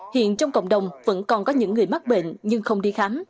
hiện trong cộng đồng vẫn còn có những người mắc bệnh nhưng không đi khám